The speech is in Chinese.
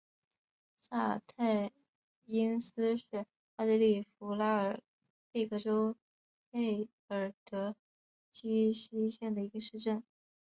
萨泰因斯是奥地利福拉尔贝格州费尔德基希县的一个市镇。